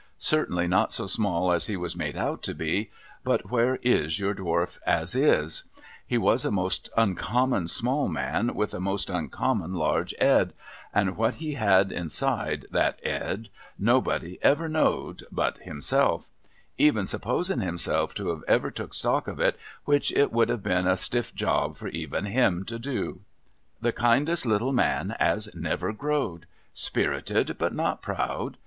Certainly not so small as he was made out to be, but where is your Dwarf as is ? He was a most uncommon small man, with a most uncommon large Ed ; and what he had inside that Ed, nobody never knowed but himself: even supposin himself to have ever took stock of it, which it would have been a stiff job for even him to do THE DWARF 187 The kindest little man as never growed ! Spirited, but not proud.